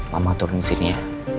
lama turun di sini ya